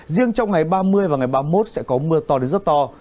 riêng trong ngày ba mươi và ngày ba mươi một sẽ có mưa to đến rất to